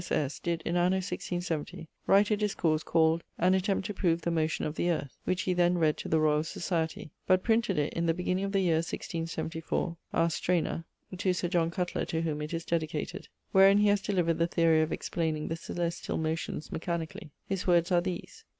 S.S. did in anno 1670, write a discourse, called, 'An Attempt to prove the motion of the Earth,' which he then read to the Royal Society; but printed it in the beginning of the yeare 1674, a strena to Sir John Cutler to whom it is dedicated, wherein he haz delivered the theorie of explaining the coelestial motions mechanically; his words are these, pag.